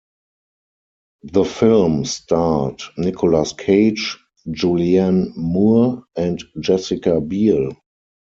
The film starred Nicolas Cage, Julianne Moore, and Jessica Biel.